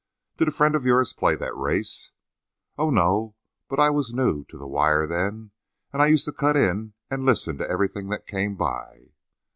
"Did a friend of yours play that race?" "Oh, no; but I was new to the wire, then, and I used to cut in and listen to everything that came by."